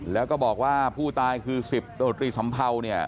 แล้วก็บอกว่าผู้ตายคือ๑๐โดษรีสำเภา